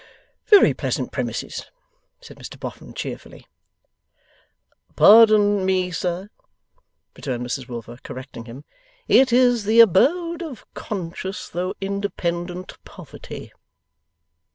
'Very pleasant premises!' said Mr Boffin, cheerfully. 'Pardon me, sir,' returned Mrs Wilfer, correcting him, 'it is the abode of conscious though independent Poverty.